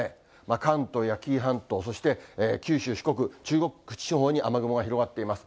関東や紀伊半島、そして九州、四国、中国地方に雨雲が広がっています。